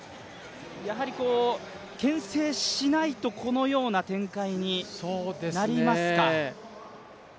やはりけん制しないと、このような展開になりますか？